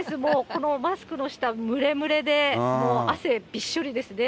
このマスクの下、蒸れ蒸れで、もう汗びっしょりですね。